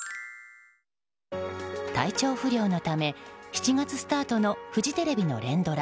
体調不良のため７月スタートのフジテレビの連ドラ